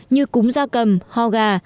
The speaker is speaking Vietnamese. như cúng da cầm ho gà